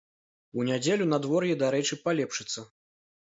У нядзелю надвор'е, дарэчы, палепшыцца.